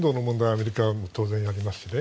アメリカは当然ありますよね